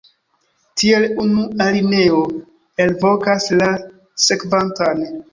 Tiel unu alineo elvokas la sekvantan.